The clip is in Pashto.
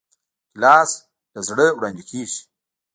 ګیلاس له زړه نه وړاندې کېږي.